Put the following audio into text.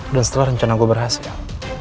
dan setelah rencana gue berhasil